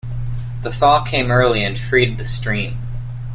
The thaw came early and freed the stream.